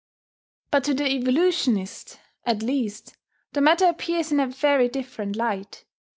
But to the evolutionist, at least, the matter appears in a very different light.